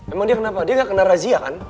emang dia kenapa dia nggak kena razia kan